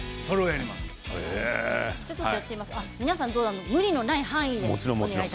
皆さん無理のない範囲で。